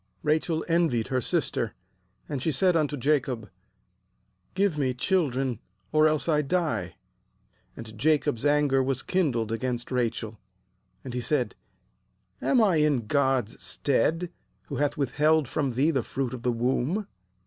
30 Rachel envied her sister; and she said unto Jacob: 'Give me children, or else I die.' 2Aad Jacob's anger was kindled against Rachel; and he said: 'Am I in God's stead, who hath with held from thee the fruit of the womb?'